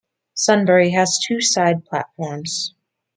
Sunbury has two side platforms.